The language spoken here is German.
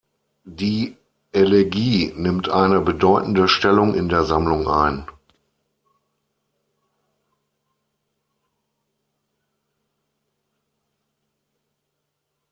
Die Elegie nimmt eine bedeutende Stellung in der Sammlung ein.